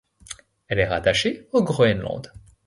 Elle est rattachée au Groenland.